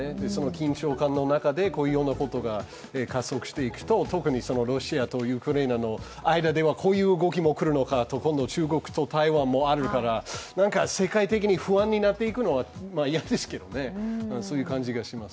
緊張感の中でこのようなことが加速していくと特にロシアとウクライナの間では、こういう動きもあるのかなと、世界的に不安になっていくのは嫌ですけどね、そういう感じがします。